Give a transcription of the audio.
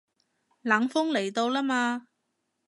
冷鋒嚟到啦嘛